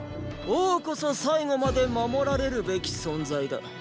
王こそ最後まで守られるべき存在だ。